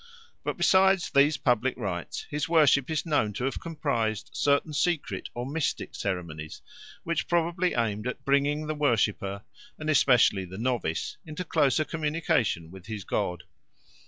But besides these public rites, his worship is known to have comprised certain secret or mystic ceremonies, which probably aimed at bringing the worshipper, and especially the novice, into closer communication with his god.